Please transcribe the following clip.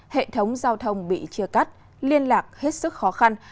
hệ thống giao thông bị chia cắt liên lạc hết sức khó khăn